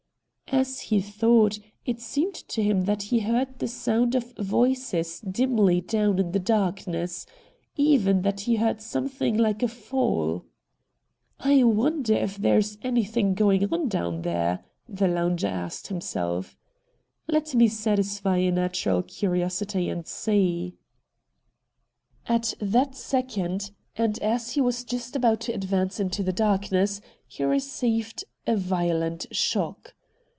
As he thought, it seemed to him that he heard the sound of voices dimly down in the darkness — even that he heard something like a fall. ' I wonder if there is anything going on down there,' the lounger asked himself. IVHAT HAPPENED IN ST. JAMES'S ST. 105 * Let me satisfy a natural curiosity and see.' At that second, and as he was just about to advance into the darkness, he received a violent shock.